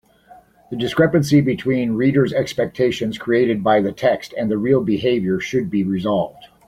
The discrepancy between reader’s expectations created by the text and the real behaviour should be resolved.